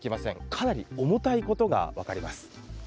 かなり重たいことが分かります。